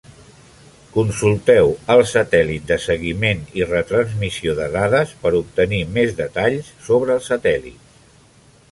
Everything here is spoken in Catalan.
Consulteu el satèl·lit de seguiment i retransmissió de dades per obtenir més detalls sobre els satèl·lits.